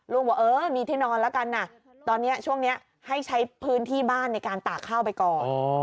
บอกเออมีที่นอนแล้วกันนะตอนนี้ช่วงนี้ให้ใช้พื้นที่บ้านในการตากข้าวไปก่อน